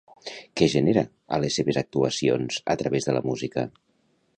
Què genera a les seves actuacions a través de la música?